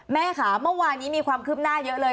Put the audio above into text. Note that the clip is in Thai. แม่ค่ะเมื่อวานนี้มีความคืบหน้าเยอะเลย